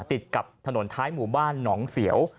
ติดกับถนนท้ายหมู่บ้านหนองเสียว